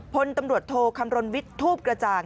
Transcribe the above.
พลตำรวจโทคำรณวิทย์ทูปกระจ่าง